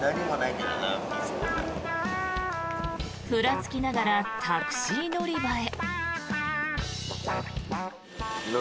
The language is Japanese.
ふらつきながらタクシー乗り場へ。